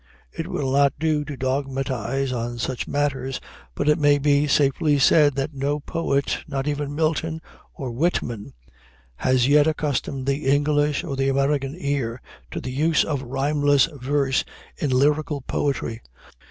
It will not do to dogmatize on such matters, but it may be safely said that no poet, not even Milton or Whitman, has yet accustomed the English or the American ear to the use of rhymeless verse in lyrical poetry.